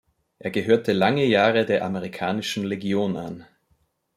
Er gehörte lange Jahre der Amerikanischen Legion an.